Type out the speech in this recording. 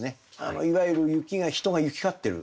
いわゆる人が行き交ってる。